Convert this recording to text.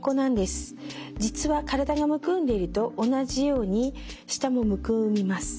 実は体がむくんでいると同じように舌もむくみます。